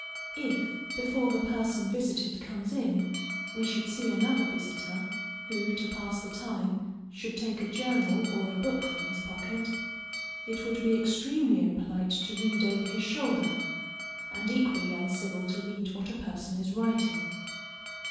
If, before the person visited comes in, we should see another visitor, who, to pass the time, should take a journal or a book from his pocket, it would be extremely impolite to read over his shoulder, and equally uncivil to read what a person is writing.